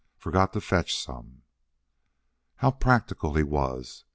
Forgot to fetch some!" How practical he was!